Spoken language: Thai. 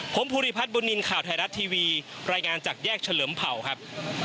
ผมภูริพัฒนบุญนินทร์ข่าวไทยรัฐทีวีรายงานจากแยกเฉลิมเผ่าครับ